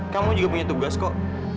kamu juga punya tugas kok